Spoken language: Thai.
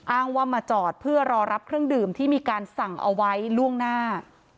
อ้างว่ามาจอดเพื่อรอรับเครื่องดื่มที่มีการสั่งเอาไว้ล่วงหน้า